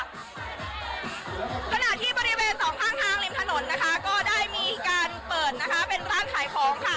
ขณะที่บริเวณสองข้างทางริมถนนนะคะก็ได้มีการเปิดนะคะเป็นร้านขายของค่ะ